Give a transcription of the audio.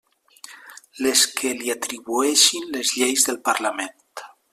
Les que li atribueixin les lleis del Parlament.